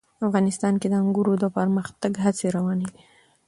افغانستان کې د انګورو د پرمختګ هڅې روانې دي.